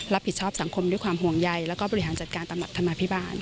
รับผิดชอบสังคมด้วยความห่วงใยแล้วก็บริหารจัดการตำรับธรรมาภิบาล